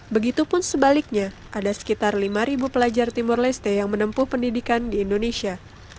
begitupun sebaliknya ada sekitar lima pelajar timur leste yang menempuh pendidikan di indonesia